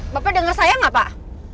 bapak denger saya gak pak